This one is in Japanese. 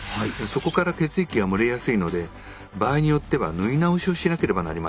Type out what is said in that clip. そこから血液が漏れやすいので場合によっては縫い直しをしなければなりません。